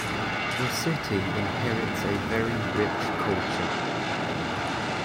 The city inherits a very rich culture.